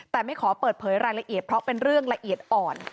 แต่ไม่ขอเปิดเผยรายละเอียดเพราะเป็นเรื่องละเอียดอ่อน